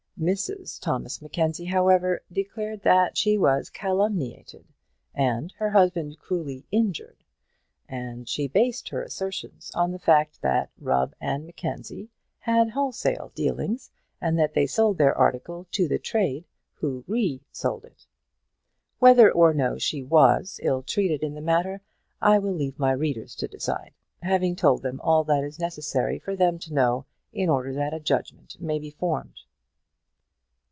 Mrs Thomas Mackenzie, however, declared that she was calumniated, and her husband cruelly injured; and she based her assertions on the fact that "Rubb and Mackenzie" had wholesale dealings, and that they sold their article to the trade, who re sold it. Whether or no she was ill treated in the matter, I will leave my readers to decide, having told them all that it is necessary for them to know, in order that a judgement may be formed.